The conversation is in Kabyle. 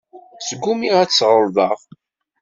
Sgumiɣ ad t-ssɣelḍeɣ.